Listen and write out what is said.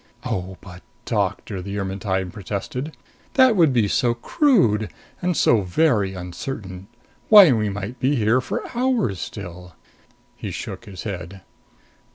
"Oh, but Doctor!" the Ermetyne protested. "That would be so crude. And so very uncertain. Why, we might be here for hours still!" He shook his head.